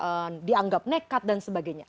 kemudian dianggap nekat dan sebagainya